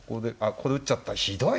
ここで打っちゃったひどい。